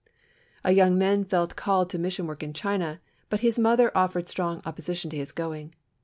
A young man felt called to mission work in China, but his mother offered strong opposition to his going.